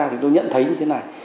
thì chúng tôi nhận thấy như thế này